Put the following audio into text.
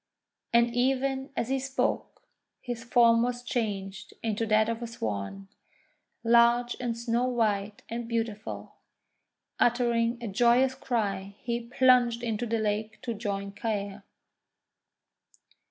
And even as he spoke, his form was changed into that of a Swan, large and snow white and beautiful. Uttering a joyous cry he plunged into the lake to join Caer.